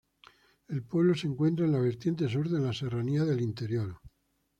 El pueblo se encuentra en la vertiente sur de la Serranía del Interior.